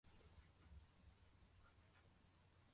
Uyu saza yishimiye gushimisha imbaga